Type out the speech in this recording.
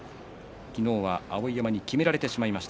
昨日は碧山にきめられてしまいました。